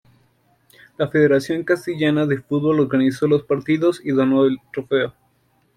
La Federación Castellana de Fútbol organizó los partidos y donó el trofeo.